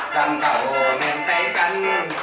กล้ามเข้าเหมือนไก่กัน